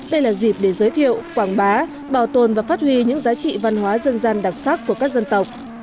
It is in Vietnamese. đây là dịp để giới thiệu quảng bá bảo tồn và phát huy những giá trị văn hóa dân gian đặc sắc của các dân tộc